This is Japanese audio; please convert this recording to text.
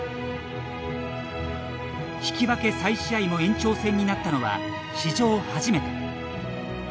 引き分け再試合も延長戦になったのは史上初めて。